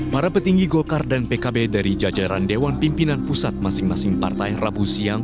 para petinggi golkar dan pkb dari jajaran dewan pimpinan pusat masing masing partai rabu siang